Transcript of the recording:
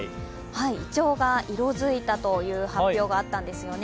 いちょうが色づいたという発表があったんですよね。